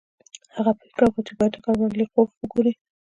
هغه پریکړه وکړه چې باید ډګروال لیاخوف وګوري